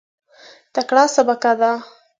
تکړه سبکه ده.